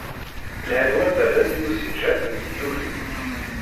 Lhan waddalen i usiǧhed n tdukli